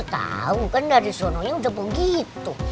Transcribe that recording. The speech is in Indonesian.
gak jauh kan dari suaranya udah begitu